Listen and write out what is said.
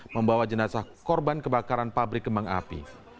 membawa jenazah korban kebakaran pabrik kembang api